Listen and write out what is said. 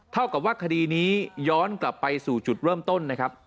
เท่ากับว่าคดีนี้ย้อนกลับไปสู่จุดเริ่มต้นนะครับ